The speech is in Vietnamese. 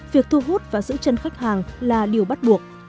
việc thu hút và giữ chân khách hàng là điều bắt buộc